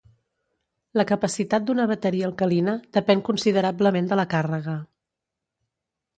La capacitat d'una bateria alcalina depèn considerablement de la càrrega.